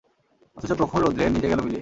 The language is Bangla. অথচ প্রখর রৌদ্রে নিজে গেল মিলিয়ে।